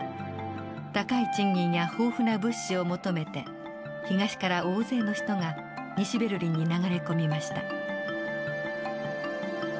高い賃金や豊富な物資を求めて東から大勢の人が西ベルリンに流れ込みました。